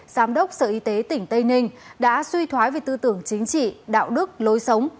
giám đốc sở y tế tỉnh tây ninh đã suy thoái về tư tưởng chính trị đạo đức lối sống